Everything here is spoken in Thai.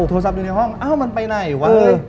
โทรศัพท์อยู่ในห้องอ้าวมันไปไหนวะ